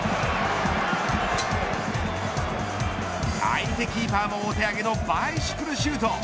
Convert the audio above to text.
相手キーパーもお手上げのバイシクルシュート。